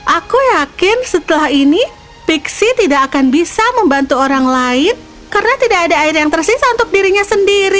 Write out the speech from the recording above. aku yakin setelah ini pixi tidak akan bisa membantu orang lain karena tidak ada air yang tersisa untuk dirinya sendiri